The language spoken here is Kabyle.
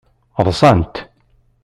Ḍṣant.